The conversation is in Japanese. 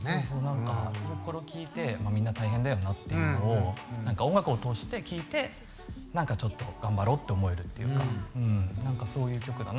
これを聴いてみんな大変だよなっていうのを何か音楽を通して聴いて何かちょっと頑張ろうって思えるっていうか何かそういう曲だなと思って。